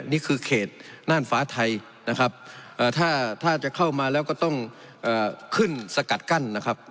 นี่คือเขตน่านฟ้าไทยนะครับถ้าจะเข้ามาแล้วก็ต้องขึ้นสกัดกั้นนะครับ